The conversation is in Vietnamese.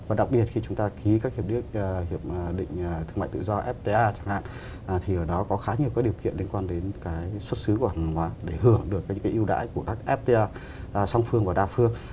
và đặc biệt khi chúng ta ký các hiệp định thương mại tự do fta chẳng hạn thì ở đó có khá nhiều cái điều kiện liên quan đến cái xuất xứ của hành hóa để hưởng được cái ưu đãi của các fta song phương và đa phương